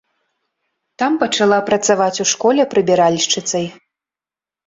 Там пачала працаваць у школе прыбіральшчыцай.